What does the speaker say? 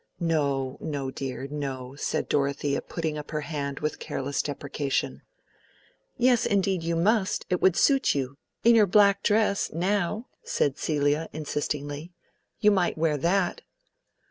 "No, no, dear, no," said Dorothea, putting up her hand with careless deprecation. "Yes, indeed you must; it would suit you—in your black dress, now," said Celia, insistingly. "You might wear that."